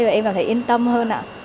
và em cảm thấy yên tâm hơn ạ